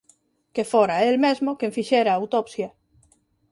Que fora el mesmo quen fixera a autopsia.